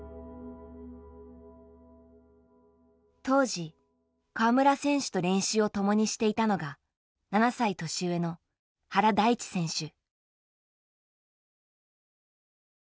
当時川村選手と練習を共にしていたのが７歳年上の原大智選手。